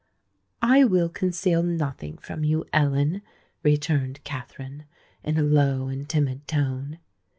"I will conceal nothing from you, Ellen," returned Katherine, in a low and timid tone.